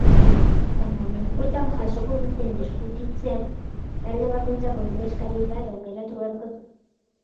Kanpamentuetan jasoko duten eskutitzean talde bakoitzak ordezkari bat aukeratu beharko du.